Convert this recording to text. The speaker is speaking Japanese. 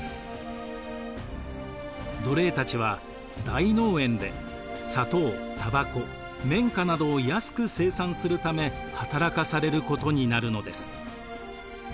奴隷たちは大農園で砂糖タバコ綿花などを安く生産するため働かされることになるのです。